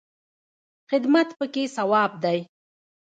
خدمت پکې ثواب دی